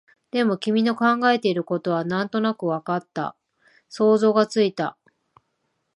でも、君の考えていることはなんとなくわかった、想像がついた